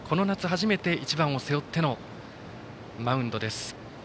初めて１番を背負ってのマウンドです。